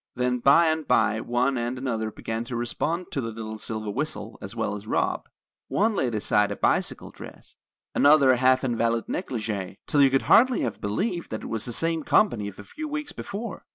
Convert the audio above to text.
Then by and by one and another began to respond to the little silver whistle, as well as Rob. One laid aside a bicycle dress, another a half invalid negligee, till you could hardly have believed it was the same company of a few weeks before.